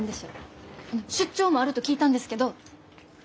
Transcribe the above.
出張もあると聞いたんですけど。